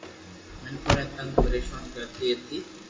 مينکون ني تنگ پريݾون ڪرتي ھتي